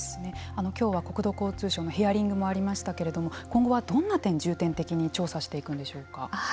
今日は国土交通省のヒアリングもありましたけれども今後はどんな点を重点的に調査していくんでしょうか。